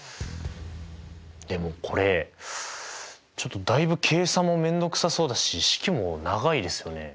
でもこれちょっとだいぶ計算も面倒くさそうだし式も長いですよね。